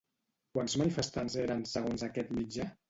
Quants manifestants eren, segons aquest mitjà?